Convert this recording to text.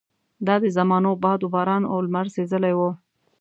دا د زمانو باد وباران او لمر سېزلي وو.